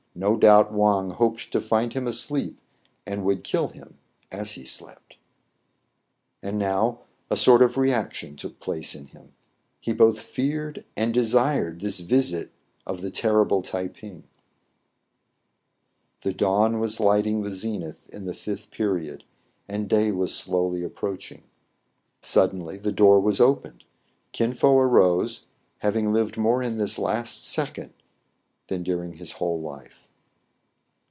No doubt Wang hoped to find him asleep, and would kill him as he slept. And now a sort of re action took place in him : he both feared and desired this visit of the terrible Tai ping. The dawn was lighting the zenith in the fifth period, and day was slowly approaching. Sud denly the door opened. Kin Fo arose, having lived more in this last second than during his whole life.